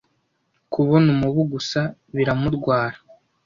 Kubona umubu gusa biramurwara.